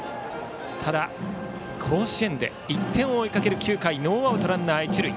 ただ甲子園で１点を追いかける９回ノーアウトランナー、一塁。